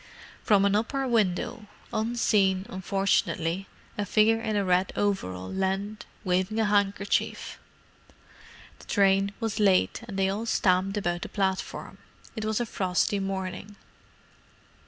From an upper window—unseen, unfortunately—a figure in a red overall leaned, waving a handkerchief. The train was late, and they all stamped about the platform—it was a frosty morning.